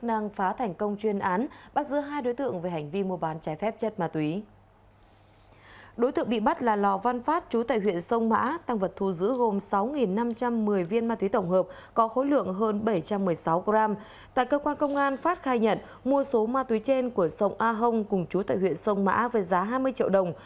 a hồng cùng chú tại huyện sông mã với giá hai mươi triệu đồng